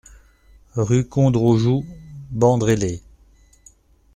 RUE KONDROJOU, Bandrélé